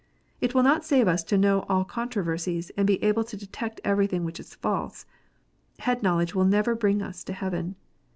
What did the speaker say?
It will not save us to know all controversies, and to be able to detect everything which is false. Head knowledge will never bring us to heaven.